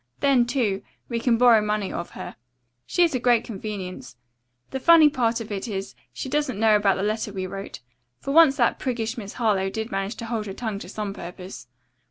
Then, too, we can borrow money of her. She is a great convenience. The funny part of it is she doesn't know about that letter we wrote. For once that priggish Miss Harlowe did manage to hold her tongue to some purpose."